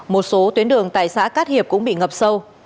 một số tuyến đường tại xã cát hiệp cũng bị ngập sâu